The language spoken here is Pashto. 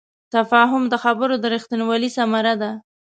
تفاهم د خبرو د رښتینوالي ثمره ده.